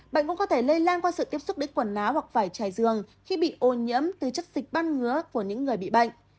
bệnh cũng có thể lây lan qua sự tiếp xúc đến quần áo hoặc vải trái giường khi bị ô nhiễm từ chất dịch ban ngứa của những người bị bệnh